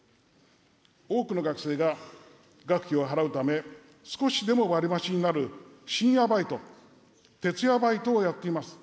多くの学生が、学費を払うため、少しでも割り増しになる深夜バイト、徹夜バイトをやっています。